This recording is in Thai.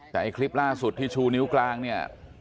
แต่ไอ้คลิปล่าสุดที่ชูนิ้วกลางเนี่ย